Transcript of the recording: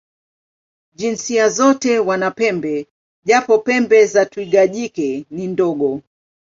Jinsia zote wana pembe, japo pembe za twiga jike ni ndogo.